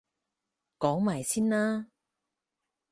講埋先啦